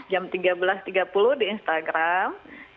jam tiga belas tiga puluh di instagram